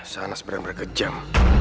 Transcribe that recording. sanas bener bener kejam